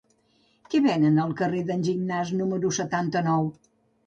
Què venen al carrer d'en Gignàs número setanta-nou?